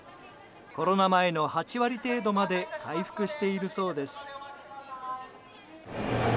コロナ前の８割程度まで回復しているそうです。